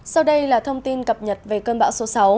sau đây là thông tin cập nhật về cơn bão số sáu